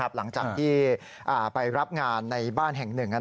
หลังจากที่ไปรับงานในบ้านแห่งหนึ่ง